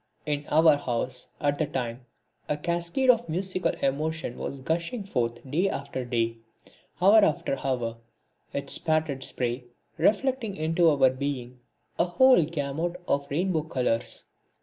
In our house, at the time, a cascade of musical emotion was gushing forth day after day, hour after hour, its scattered spray reflecting into our being a whole gamut of rainbow colours.